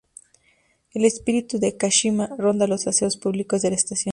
El espíritu de Kashima ronda los aseos públicos de la estación.